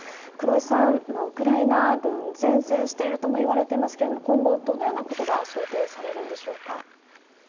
黒井さん、ウクライナ軍、善戦しているともいわれていますけれども、今後、どのようなことが想定されるんでしょうか？